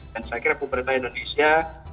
dan saya kira puberta indonesia